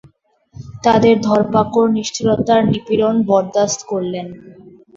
তাদের ধরপাকড়, নিষ্ঠুরতা আর নিপীড়ন বরদাস্ত করলেন।